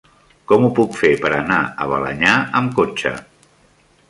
Com ho puc fer per anar a Balenyà amb cotxe?